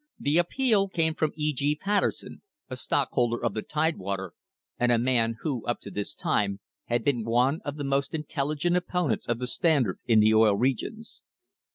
The appeal came from E. G. Patterson, a stockholder of the Tidewater, and a man who, up to this time, had been one of the most intelligent opponents of the Standard in the Oil Regions.